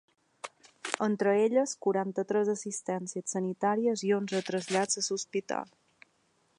Entre elles, quaranta-tres assistències sanitàries i onze trasllats a l’hospital.